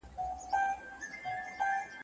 یوه لمسي ورڅخه وپوښتل چي ګرانه بابا